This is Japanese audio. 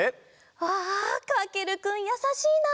うわかけるくんやさしいな！